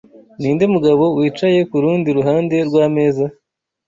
Ninde mugabo wicaye kurundi ruhande rwameza?